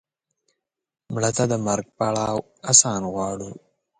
مړه ته د مرګ پړاو آسان غواړو